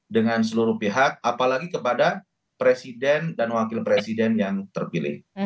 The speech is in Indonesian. dengan seluruh pihak apalagi kepada presiden dan wakil presiden yang terpilih